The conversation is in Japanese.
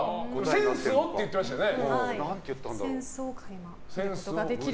センスをって言ってましたよね。